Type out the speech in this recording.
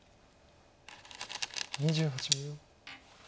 ２８秒。